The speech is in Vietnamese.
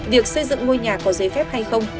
việc xây dựng ngôi nhà có giấy phép hay không